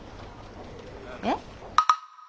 えっ？